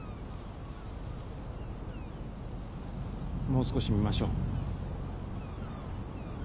もう少し見ましょう。